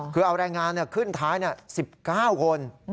คือเอาแรงงานขึ้นท้าย๑๙คน